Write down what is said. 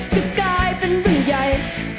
จะกลายเป็นเรื่องใหญ่